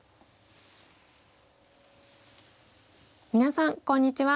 皆さんこんにちは。